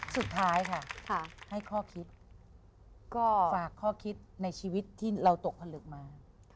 สุดท้ายค่ะให้ข้อคิดก็ฝากข้อคิดในชีวิตที่เราตกผลึกมา